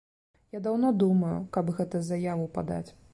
Я даўно думаю, каб гэта заяву падаць.